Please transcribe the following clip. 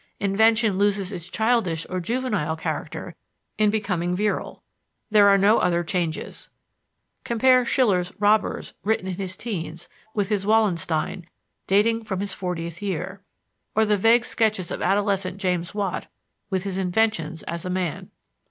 Invention loses its childish or juvenile character in becoming virile; there are no other changes. Compare Schiller's Robbers, written in his teens, with his Wallenstein, dating from his fortieth year; or the vague sketches of the adolescent James Watt with his inventions as a man.